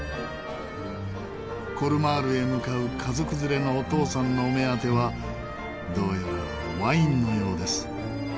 コルマールへ向かう家族連れのお父さんのお目当てはどうやらワインのようです。